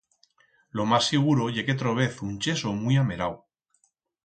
Lo mas siguro ye que trobez un cheso muit amerau.